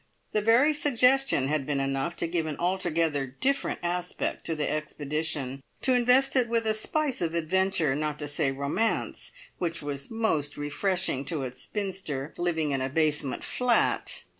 The very suggestion had been enough to give an altogether different aspect to the expedition; to invest it with a spice of adventure, not to say romance, which was most refreshing to a spinster living in a basement flat!